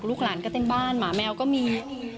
ลูกหลานก็เต็มบ้านหมาแมวก็มี